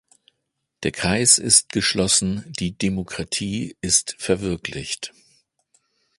Der Kreis ist geschlossen, die Demokratie ist verwirklicht.